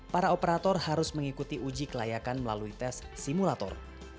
para operator harus mengikuti uji kelayakan melalui tes simulator